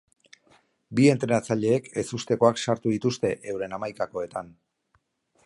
Bi entrenatzaileek ezustekoak sartu dituzte euren hamaikakoetan.